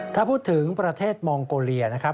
ถ้าพูดถึงประเทศมองโกเลียนะครับ